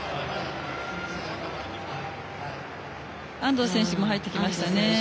安藤選手も入ってきました。